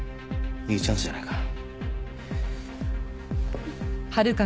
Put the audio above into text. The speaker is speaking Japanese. いいチャンスじゃないか。